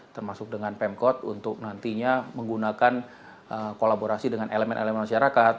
termasuk dengan pemkot untuk nantinya menggunakan kolaborasi dengan elemen elemen masyarakat